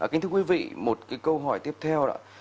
kính thưa quý vị một cái câu hỏi tiếp theo đã